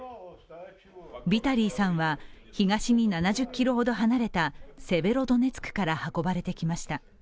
ヴィタリーさんは、東に７０ｋｍほど離れたセベロドネツクから運ばれてきました。